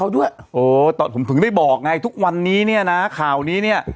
ด้วยโอ้ตอนผมถึงได้บอกไงทุกวันนี้เนี่ยนะข่าวนี้เนี่ย